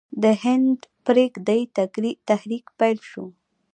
د هند پریږدئ تحریک پیل شو.